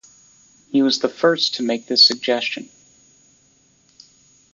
He was the first to make this suggestion.